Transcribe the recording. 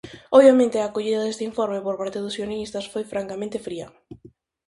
Obviamente, a acollida deste informe por parte dos unionistas foi francamente fría.